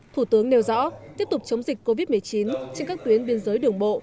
thủ tướng nêu rõ tiếp tục chống dịch covid một mươi chín trên các tuyến biên giới đường bộ